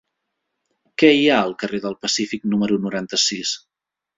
Què hi ha al carrer del Pacífic número noranta-sis?